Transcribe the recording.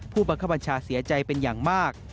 ผู้บังคับบัญชาเสียใจเป็นอย่างมาก